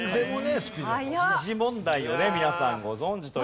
時事問題をね皆さんご存じという事で。